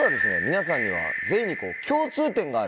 皆さんには全員に共通点がある。